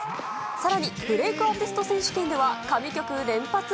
さらに、ブレイクアーティスト選手権では、神曲連発？